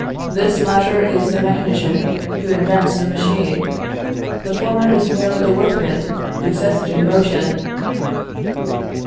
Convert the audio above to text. This latter is the mechanician who invents the machine; the former is merely the workman who sets it in motion."